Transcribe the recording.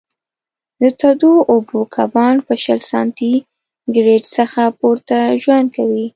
د تودو اوبو کبان په شل سانتي ګرېد څخه پورته ژوند کوي.